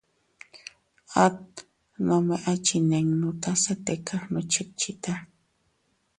At nome a chinninuta se tika gnuchickchita.